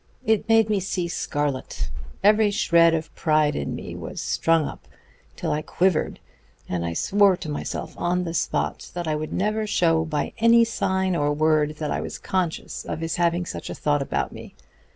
It made me see scarlet. Every shred of pride in me was strung up till I quivered, and I swore to myself on the spot that I would never show by any word or sign that I was conscious of his having such a thought about me.